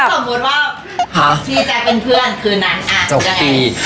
สมมุติว่าที่จะเป็นเพื่อนคืนนั้นอ่ะจะเป็นยังไง